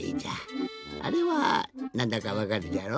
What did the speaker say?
あれはなんだかわかるじゃろ？